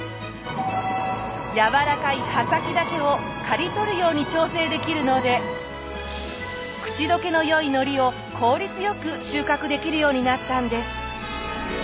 やわらかい葉先だけを刈り取るように調整できるので口どけの良い海苔を効率良く収穫できるようになったんです。